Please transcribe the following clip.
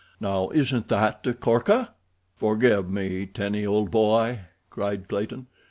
Now, isn't that a corker?" "Forgive me, Tenny, old boy," cried Clayton.